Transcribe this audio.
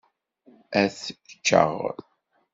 Ad t-ččeɣ.